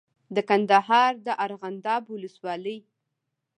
د کندهار د ارغنداب ولسوالۍ